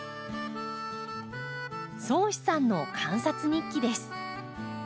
蒼士さんの観察日記です。